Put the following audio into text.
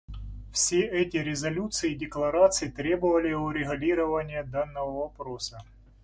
Все эти резолюции и декларации требовали урегулирования данного вопроса.